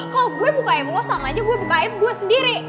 kalau gue buka aib lo sama aja gue buka aib gue sendiri